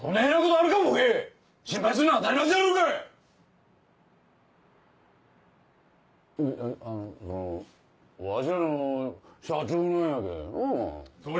あのそのわしらの社長なんやけぇのう。